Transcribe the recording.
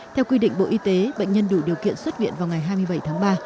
theo quy định bộ y tế bệnh nhân đủ điều kiện xuất viện vào ngày hai mươi bảy tháng ba